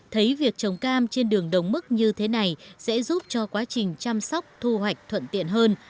thấy việc trồng cam trên đường đồng mức như thế này sẽ giúp cho quá trình chăm sóc thu hoạch thuận tiện hơn